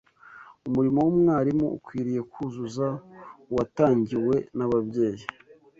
Umurimo w’umwarimu ukwiriye kuzuza uwatangiwe n’ababyeyi